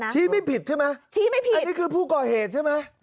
ชี้ไม่ผิดใช่ไหมอันนี้คือผู้ก่อเหตุใช่ไหมชี้ไม่ผิด